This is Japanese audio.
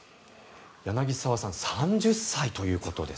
柳澤さん３０歳ということです。